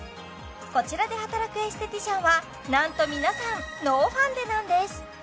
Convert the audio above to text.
こちらで働くエステティシャンはなんとノーファンデ？